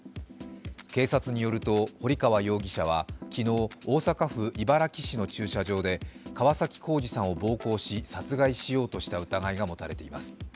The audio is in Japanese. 警察によると堀川容疑者は昨日大阪府茨木市の駐車場で川崎光二さんを暴行し殺害しようとした疑いが持たれています。